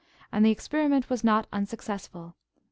And the experiment was not unsuccessful.